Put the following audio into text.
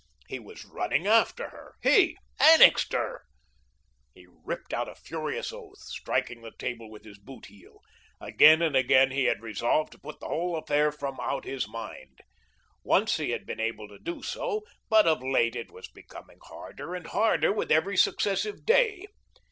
He was running after her he, Annixter! He ripped out a furious oath, striking the table with his boot heel. Again and again he had resolved to put the whole affair from out his mind. Once he had been able to do so, but of late it was becoming harder and harder with every successive day.